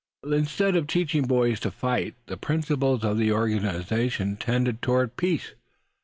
Instead of teaching boys to fight, the principles of the organization tend toward peace.